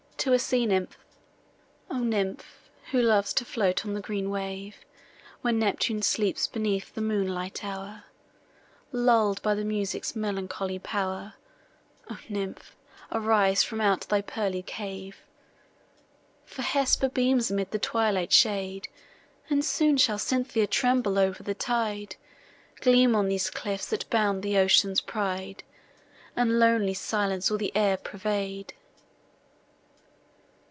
TO A SEA NYMPH O nymph! who loves to float on the green wave, When Neptune sleeps beneath the moonlight hour, Lull'd by the music's melancholy pow'r, O nymph, arise from out thy pearly cave! For Hesper beams amid the twilight shade, And soon shall Cynthia tremble o'er the tide, Gleam on these cliffs, that bound the ocean's pride, And lonely silence all the air pervade.